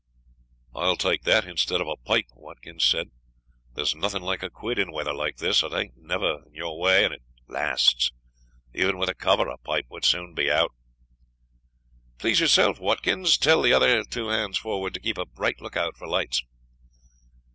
"I will take that instead of a pipe," Watkins said; "there's nothing like a quid in weather like this, it aint never in your way, and it lasts. Even with a cover a pipe would soon be out." "Please yourself, Watkins; tell the two hands forward to keep a bright lookout for lights."